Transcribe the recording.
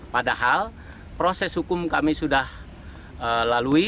padahal proses hukum kami sudah lalui